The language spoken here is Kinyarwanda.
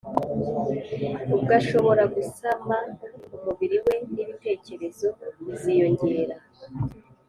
ubwo ashobora gusama umubiri we n ibitekerezo biziyongera